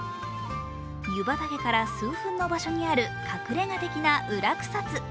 湯畑から数分の場所にある隠れ家的な裏草津。